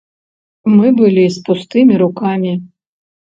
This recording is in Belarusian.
Мы былі з пустымі рукамі.